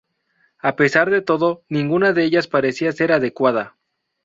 A pesar de todo, ninguna de ellas parecía ser adecuada.